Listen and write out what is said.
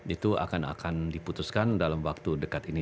itu akan diputuskan dalam waktu dekat ini